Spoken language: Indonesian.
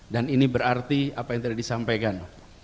dan ini berarti apa yang tadi disampaikan